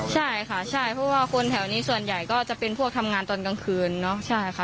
ใช่ค่ะใช่เพราะว่าคนแถวนี้ส่วนใหญ่ก็จะเป็นพวกทำงานตอนกลางคืนเนาะใช่ค่ะ